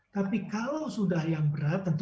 tapi kalau sudah yang berat tentu